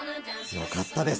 よかったです。